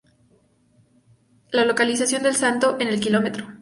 La localización del salto en el Km.